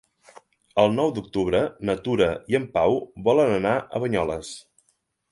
El nou d'octubre na Tura i en Pau volen anar a Banyoles.